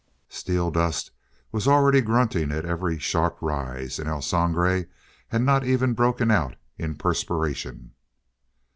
Steeldust was already grunting at every sharp rise, and El Sangre had not even broken out in perspiration.